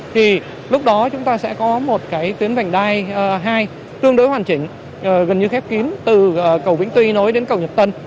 thì lúc đó chúng ta sẽ có một cái tuyến vành đai hai tương đối hoàn chỉnh gần như khép kín từ cầu vĩnh tuy nối đến cầu nhật tân